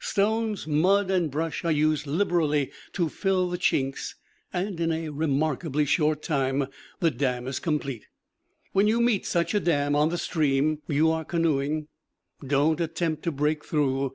Stones, mud, and brush are used liberally to fill the chinks, and in a remarkably short time the dam is complete. When you meet such a dam on the stream you are canoeing don't attempt to break through.